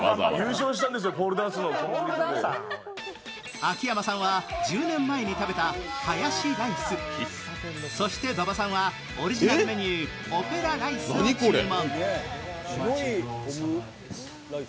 秋山さんは１０年前に食べたハヤシライス、そして馬場さんはオリジナルメニュー、オペラライスを注文。